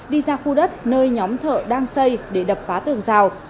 đi ra khu đất nơi nhóm thợ đang xây để đập phá tường rào